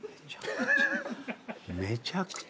めちゃくちゃ。